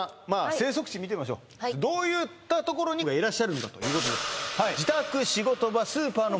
生息地見てみましょうどういったところにいらっしゃるのかということですそうですね